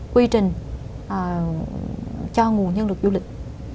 quy trình cho nguồn nhân lực du lịch